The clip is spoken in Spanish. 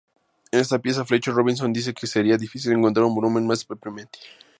En esta pieza, Fletcher Robinson dice que sería "difícil encontrar un volumen más deprimente".